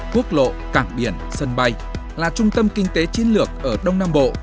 quốc lộ cảng biển sân bay là trung tâm kinh tế chiến lược ở đông nam bộ